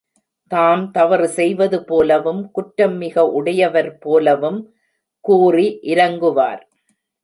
தாம் தவறு செய்வது போலவும் குற்றம் மிக உடையவர் போலவும் கூறி இரங்குவார்.